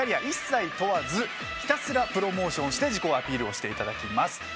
一切問わずひたすらプロモーションして自己アピールをしていただきます。